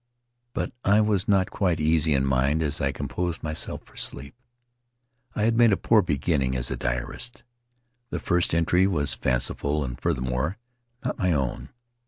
But I was not quite easy in mind as I composed myself for sleep. I had made a poor beginning as a diarist. The first entry was fanciful and, furthermore, not my own.